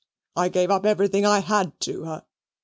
I gave up everything I had to her.